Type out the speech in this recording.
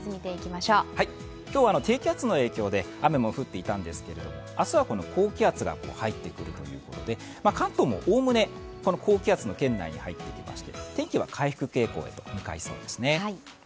今日、低気圧の影響で雨も降っていたんですけども、明日は高気圧が入ってくるということで、関東もおおむねこの高気圧圏内に入ってきまして天気は回復傾向へと向かいそうですね。